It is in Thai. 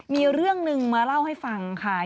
มีเรื่องหนึ่งมาเล่าให้ฟังค่ะ